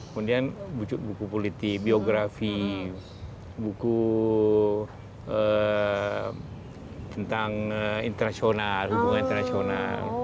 kemudian buku politik biografi buku tentang internasional hubungan internasional